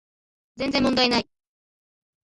全然問題ない